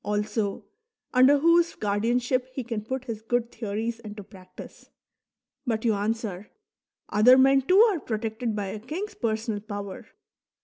also, under whose guardianship he can put his good theories into practice. But you answer :" Other men too are protected by a king's personal power."